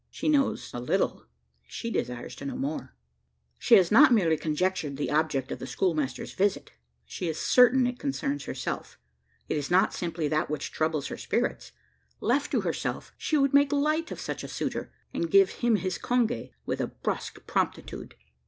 She knows a little she desires to know more. She has not merely conjectured the object of the schoolmaster's visit; she is certain it concerns herself. It is not simply that which troubles her spirits. Left to herself, she would make light of such a suitor, and give him his conge with a brusque promptitude.